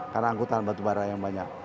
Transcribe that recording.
karena angkutan batubara yang banyak